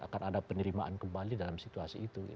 akan ada penerimaan kembali dalam situasi itu